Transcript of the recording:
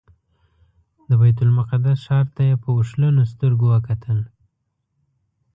د بیت المقدس ښار ته یې په اوښلنو سترګو وکتل.